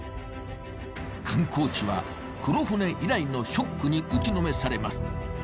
観光地は、黒船以来のショックに打ちのめされます。